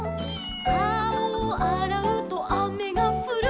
「かおをあらうとあめがふる」